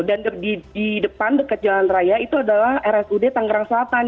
dan di depan dekat jalan raya itu adalah rsud tangerang selatan